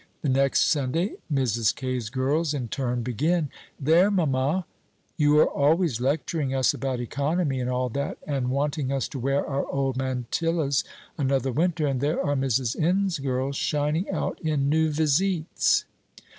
The next Sunday, Mrs. K.'s girls in turn begin: "There, mamma, you are always lecturing us about economy, and all that, and wanting us to wear our old mantillas another winter, and there are Mrs. N.'s girls shining out in new visites."